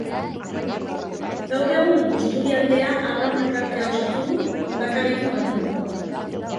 Gaur egun Busturialdea Arraun Elkartea osatu du Mundakarekin batera.